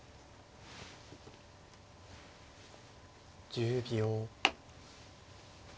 １０秒。